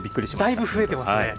だいぶ増えてますね。